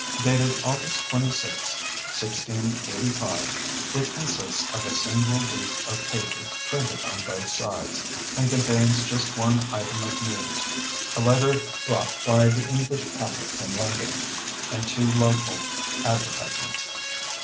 Dated August 26, 1685, it consists of a single leaf of paper printed on both sides, and contains just one item of news, a letter brought by the English packet from London, and two local advertisements.